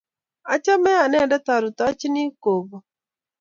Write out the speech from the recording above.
Achame anendet arutochini gogo